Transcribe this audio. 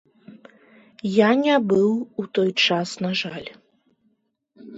Я не быў у той час, на жаль.